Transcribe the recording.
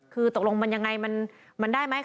คือตกลงมันยังไงมันได้ไหม